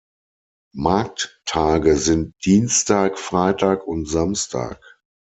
Markttage sind Dienstag, Freitag und Samstag.